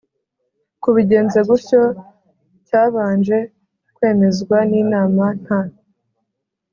kubigenza gutyo cyabanje kwemezwa n inama nta